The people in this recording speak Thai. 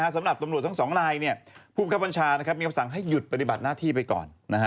สำหรับตำรวจทั้ง๒ลายผู้กระพันชามีของสั่งให้หยุดปฎิบัติหน้าที่ไปก่อน